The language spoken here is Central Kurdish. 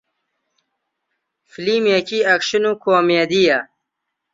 فیلمێکی ئەکشن و کۆمێدییە